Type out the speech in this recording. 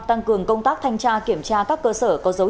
tăng cường công tác thanh tra kiểm tra các cơ sở